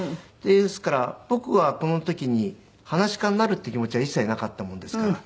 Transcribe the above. ですから僕はこの時に噺家になるっていう気持ちは一切なかったもんですから。